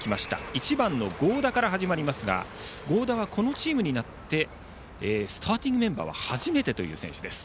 １番の合田から始まりますが合田はこのチームになってスターティングメンバーは初めてという選手です。